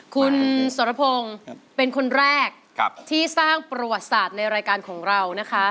คุณสรพงศ์เป็นคนแรกที่สร้างประวัติศาสตร์ในรายการของเรานะคะ